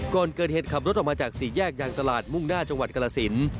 ก่อนเกิดเหตุขับรถออกมาจากสี่แยกยางตลาดมุ่งหน้าจังหวัดกรสิน